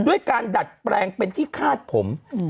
ด้วยการดัดแปลงเป็นที่คาดผม